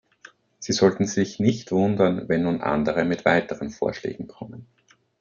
Sie sollten sich nicht wundern, wenn nun andere mit weiteren Vorschlägen kommen.